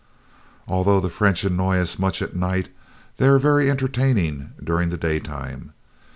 Although the French annoy us much at night, they are very entertaining during the daytime.